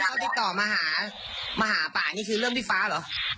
ท่านนักฯติดต่อมาหามาหากข้านี่คือเรื่องที่ฟ้าเหรอ